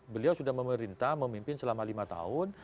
beliau sudah memerintah memimpin selama lima tahun